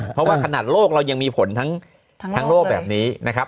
เพราะว่าขนาดโลกเรายังมีผลทั้งโลกแบบนี้นะครับ